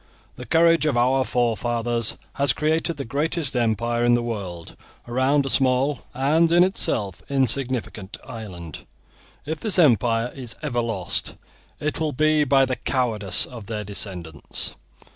The courage of our forefathers has created the greatest empire in the world around a small and in itself insignificant island; if this empire is ever lost, it will be by the cowardice of their descendants.